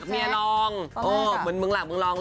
วิภาคล้อน